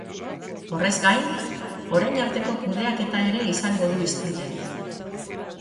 Horrez gain, orain arteko kudeaketa ere izango du hizpide.